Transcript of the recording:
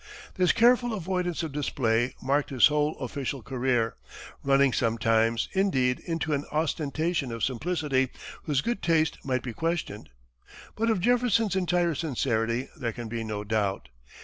This careful avoidance of display marked his whole official career, running sometimes, indeed, into an ostentation of simplicity whose good taste might be questioned. But of Jefferson's entire sincerity there can be no doubt.